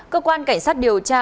cơ quan cảnh sát điều trị